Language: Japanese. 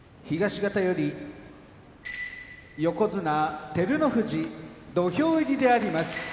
東方より横綱照ノ富士土俵入りであります。